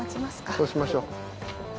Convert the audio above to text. そうしましょ。